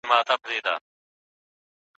د پلرونو د نیکونو له داستانه یمه ستړی